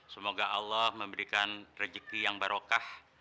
semoga allah memberikan rezeki yang barokah